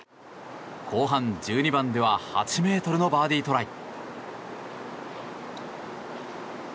後半１２番では８ｍのバーディートライ。